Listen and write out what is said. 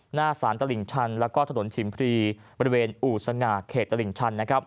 หน้าสารตลิ่งชันแล้วก็ถนนชิมพรีบริเวณอู่สง่าเขตตลิ่งชัน